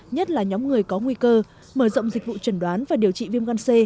nhất là nhóm người có nguy cơ mở rộng dịch vụ trần đoán và điều trị viêm gan c